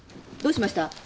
どうしました？